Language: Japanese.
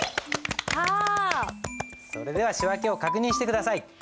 それでは仕訳を確認して下さい。